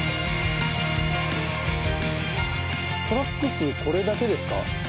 トラック数これだけですか？